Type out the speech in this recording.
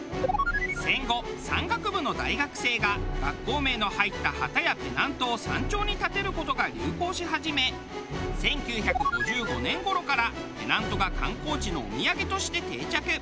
戦後山岳部の大学生が学校名の入った旗やペナントを山頂に立てる事が流行し始め１９５５年頃からペナントが観光地のお土産として定着。